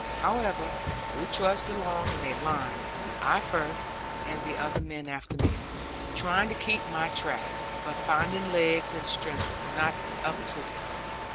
However, we trudged along in a line; I first, and the other men after me; trying to keep my track, but finding legs and strength not up to it.